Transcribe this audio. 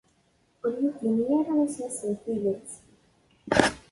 Ur yi-d-ini ara isem-is n tidet.